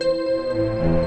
saya mau ke hotel ini